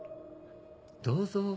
どうぞ。